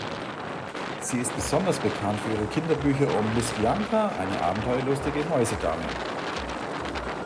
Sie ist besonders bekannt für ihre Kinderbücher um "Miss Bianca," eine abenteuerlustige Mäuse-Dame.